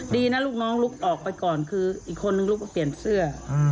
ดีนะลูกน้องลุกออกไปก่อนคืออีกคนนึงลุกมาเปลี่ยนเสื้อ